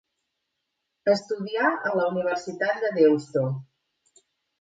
Estudià a la Universitat de Deusto.